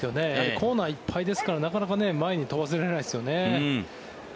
コーナーいっぱいですからなかなか前に飛ばせられないですよね。